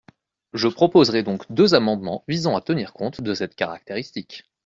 Je proposerai donc deux amendements visant à tenir compte de cette caractéristique.